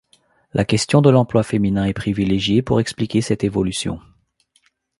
La question de l'emploi féminin est privilégiée pour expliquer cette évolution.